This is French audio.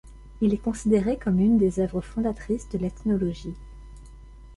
Il est considéré comme une des œuvres fondatrices de l'ethnologie.